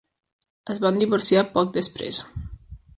Es van divorciar poc després.